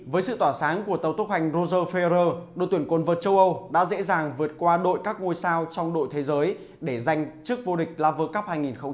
với sự tỏa sáng của tàu tốc hành roger ferrer đội tuyển quân vượt châu âu đã dễ dàng vượt qua đội các ngôi sao trong đội thế giới để giành trước vô địch lava cup hai nghìn một mươi bảy